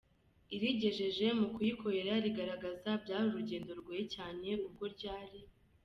irigegeje mu kuyikorera rigaragaza byari urugendo rugoye cyane ubwo ryari